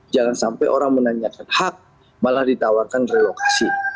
jangan sampai orang menanyakan hak malah ditawarkan relokasi